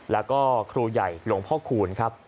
แล้วก็ครูใหญ่หลวงพ่อคูณครับ